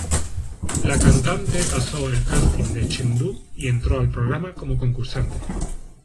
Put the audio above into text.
La cantante pasó el casting de Chengdu y entró al programa como concursante.